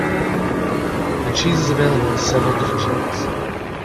The cheese is available in several different shapes.